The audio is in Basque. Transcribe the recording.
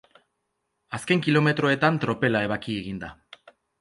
Azken kilometroetan tropela ebaki egin da.